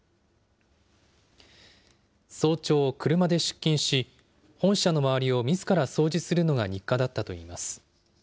早朝、車で出勤し、本社の周りをみずから掃除するのが日課だったといいます。